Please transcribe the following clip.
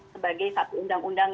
sebagai satu undang undang